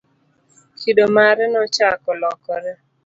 kido mare nochako lokore